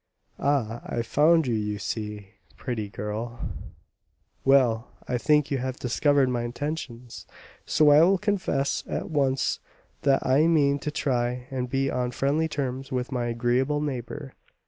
Ah, I've found you out, you see, pretty girl " "Well, I think you have discovered my intentions, so I will confess at once that I mean to try and be on friendly terms with my agreeable neighbour."